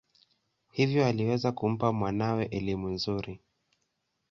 Hivyo aliweza kumpa mwanawe elimu nzuri.